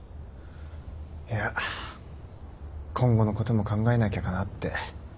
いや今後のことも考えなきゃかなって。